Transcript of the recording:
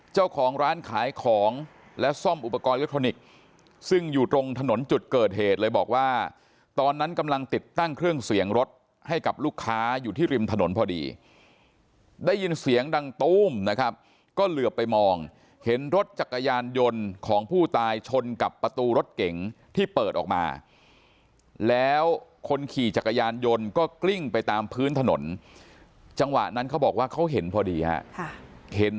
เจ้าของร้านขายของและซ่อมอุปกรณ์อิเล็กทรอนิกส์ซึ่งอยู่ตรงถนนจุดเกิดเหตุเลยบอกว่าตอนนั้นกำลังติดตั้งเครื่องเสียงรถให้กับลูกค้าอยู่ที่ริมถนนพอดีได้ยินเสียงดังตู้มนะครับก็เหลือไปมองเห็นรถจักรยานยนต์ของผู้ตายชนกับประตูรถเก๋งที่เปิดออกมาแล้วคนขี่จักรยานยนต์ก็กลิ้งไปตามพื้นถนนจังหวะนั้นเขาบอกว่าเขาเห็นพอดีฮะเห็น